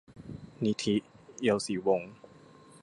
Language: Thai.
นิธิ เอียวศรีวงศ์